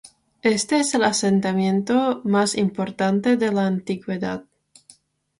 Este es el asentamiento más importante de la antigüedad.